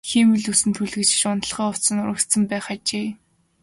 Хиймэл үс нь түлэгдэж унтлагын хувцас нь урагдсан байх ажээ.